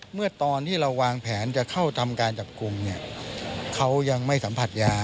เมื่อตอนที่เราวางแผนจะเข้าทำการจับกลุ่มเนี่ยเขายังไม่สัมผัสยา